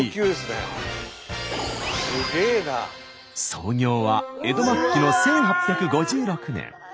創業は江戸末期の１８５６年。